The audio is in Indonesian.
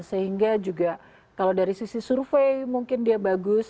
sehingga juga kalau dari sisi survei mungkin dia bagus